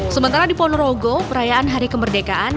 sementara di ponorogo perayaan hari kemerdekaan